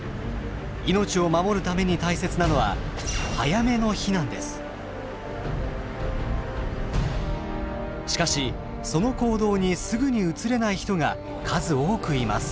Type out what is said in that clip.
命を守るために大切なのはしかしその行動にすぐに移れない人が数多くいます。